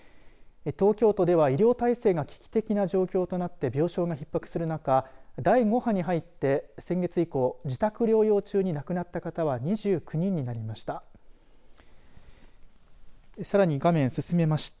東京都では医療体制が危機的な状況となって病床がひっ迫する中第５波に入って先月以降、自宅療養中に亡くなった方は２９人になりました。